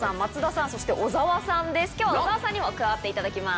今日は小澤さんにも加わっていただきます。